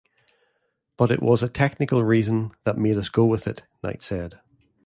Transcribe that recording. But it was a technical reason that made us go with it, Knight said.